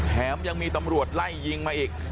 แถมยังมีตำรวจไล่ยิงมาอีก